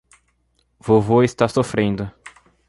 Vovô está sofrendo